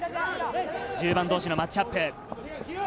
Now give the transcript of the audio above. １０番同士のマッチアップ。